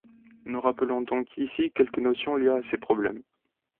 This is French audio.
Nous rappelons donc ici quelques notions liées à ces problèmes.